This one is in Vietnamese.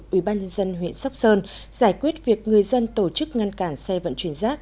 ủy ban nhân dân huyện sóc sơn giải quyết việc người dân tổ chức ngăn cản xe vận chuyển rác